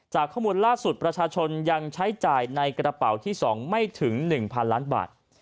ข้อมูลล่าสุดประชาชนยังใช้จ่ายในกระเป๋าที่๒ไม่ถึง๑๐๐๐ล้านบาท